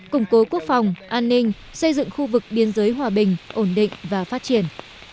củng cố quốc phòng an ninh xây dựng khu vực biên giới hòa bình ổn định và phát triển